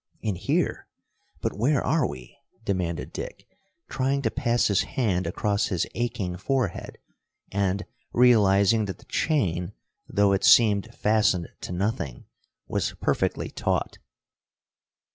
"In here? But where are we?" demanded Dick, trying to pass his hand across his aching forehead, and realizing that the chain, though it seemed fastened to nothing, was perfectly taut.